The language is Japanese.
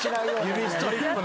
指ストリップな。